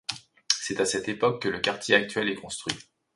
C’est à cette époque que le quartier actuel est construit.